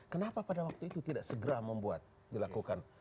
kenapa pada waktu itu tidak segera membuat dilakukan